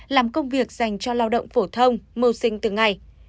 làm công việc dành cho lao động phổ thông mưu sinh từng ngày